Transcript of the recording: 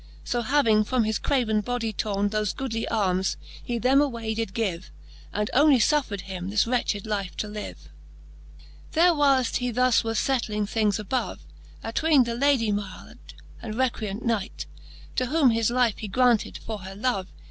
So having from his craven bodie torne Thofe goodly armes, he them away did give, And onely fuffred him this wretched life to live. XXXVII. There whileft he thus was fetling things above, Atwene that Ladie myld and recreant knight, To whom his life he graunted for her love.